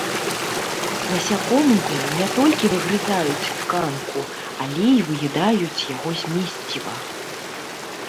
Насякомыя не толькі выгрызаюць тканку, але і выядаюць яго змесціва.